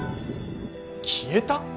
消えた？